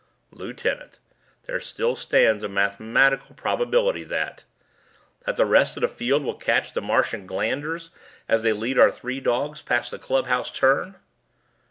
"Lieutenant, there still stands a mathematical probability that " "That the rest of the field will catch the Martian Glanders as they lead our three dogs past the clubhouse turn?"